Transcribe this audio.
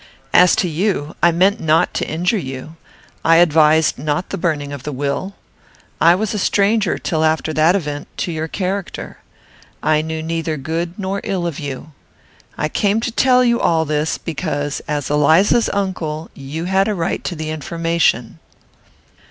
As to you, I meant not to injure you; I advised not the burning of the will. I was a stranger, till after that event, to your character. I knew neither good nor ill of you. I came to tell you all this, because, as Eliza's uncle, you had a right to the information."